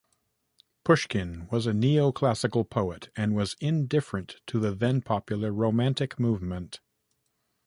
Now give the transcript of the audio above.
Pushkin was a neoclassical poet and was indifferent to the then-popular romantic movement.